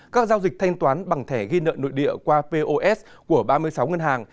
các giao dịch thanh toán bằng thẻ ghi nợ nội địa qua pos của ba mươi sáu ngân hàng